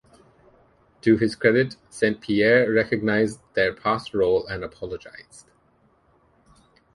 To his credit, Saint-Pierre recognized their past role and apologized.